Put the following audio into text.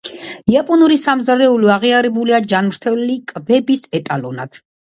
იაპონური სამზარეულო აღიარებულია ჯანმრთელი კვების ეტალონად.